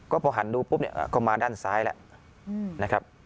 ก็พอหันดูปุ๊บเนี่ยก็มาด้านซ้ายแล้วนะครับ